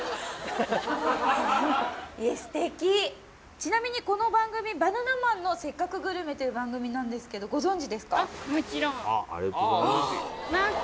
ちなみにこの番組「バナナマンのせっかくグルメ！！」という番組なんですけどご存じですか？